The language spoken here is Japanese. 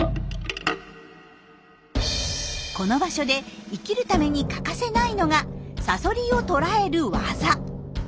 この場所で生きるために欠かせないのがサソリを捕らえるワザ。